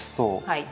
はい！